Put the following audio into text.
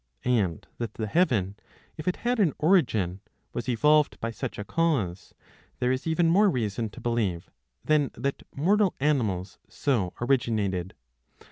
^" And that the heaven, if it had an origin,^^ was evolved by such a cause, there is even more reason to believe, than that mortal animals so originated.